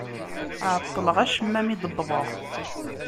Ԑeṭṭleɣ acemma mi d-wwḍeɣ...